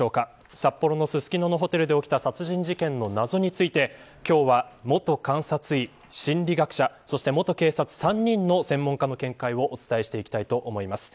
札幌のススキノのホテルで起きた殺人事件の謎について今日は元監察医、心理学者そして元警察３人の専門家の見解をお伝えしていきます。